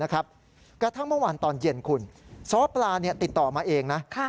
กระทั่งเมื่อวานตอนเย็นคุณซ้อปลาติดต่อมาเองนะ